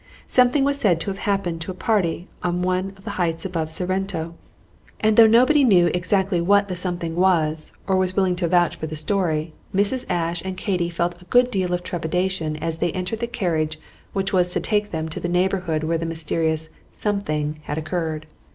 Something was said to have happened to a party on one of the heights above Sorrento; and though nobody knew exactly what the something was, or was willing to vouch for the story, Mrs. Ashe and Katy felt a good deal of trepidation as they entered the carriage which was to take them to the neighborhood where the mysterious "something" had occurred.